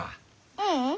ううん。